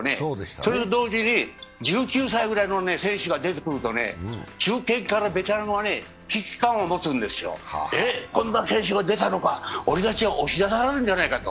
それと同時に、１９歳ぐらいの選手が出てくるとね、中堅からベテランは危機感を持つんですよ、こんな選手が出たのか、俺たちは押し出されるんじゃないかと。